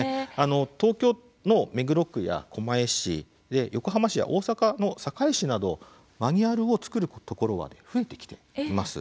東京の目黒区や狛江市横浜市や大阪の堺市などマニュアルを作るところは増えてきています。